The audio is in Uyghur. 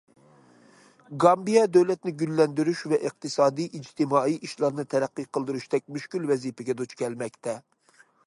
گامبىيە دۆلەتنى گۈللەندۈرۈش ۋە ئىقتىسادىي، ئىجتىمائىي ئىشلارنى تەرەققىي قىلدۇرۇشتەك مۈشكۈل ۋەزىپىگە دۇچ كەلمەكتە.